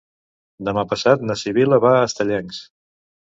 Demà passat na Sibil·la va a Estellencs.